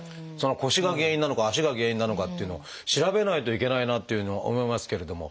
腰が原因なのか足が原因なのかっていうのを調べないといけないなっていうふうに思いますけれども。